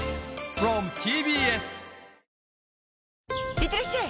いってらっしゃい！